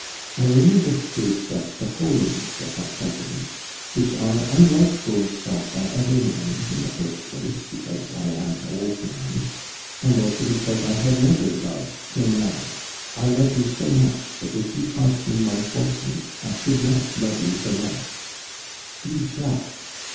I only wished to express the holiness of my sentiments, which are unlike those felt by other men, in the first place, because I am an old man, and also because I have never loved till now. I love you so much, that if you cost me my fortune I should not love you the less. "Be just!